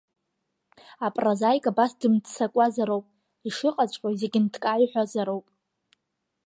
Апрозаик, абас дымццакуазароуп, ишыҟаҵәҟьоу зегь нҭкаа иҳәозароуп.